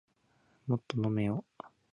もっと飲めよ